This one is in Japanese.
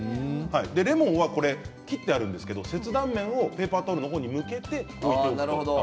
レモンは切ってあるんですけど切断面をペーパータオルの方に向けて置いてある。